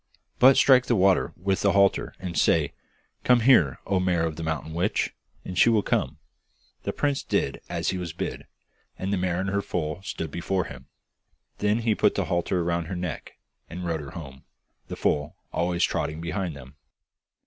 But strike the water with the halter and say, "Come here, O mare of the mountain witch!" and she will come.' The prince did as he was bid, and the mare and her foal stood before him. Then he put the halter round her neck, and rode her home, the foal always trotting behind them.